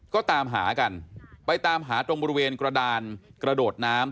ก็ตามหากันไปตามหาตรงบริเวณกระดานกระโดดน้ำ